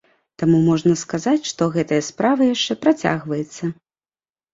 Таму можна сказаць, што гэтая справа яшчэ працягваецца.